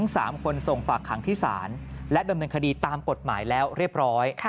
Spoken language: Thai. สงสารและเป็นคดีตามกฎหมายแล้วเรียบร้อย